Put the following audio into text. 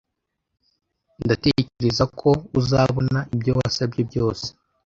Ndatekereza ko uzabona ibyo wasabye byose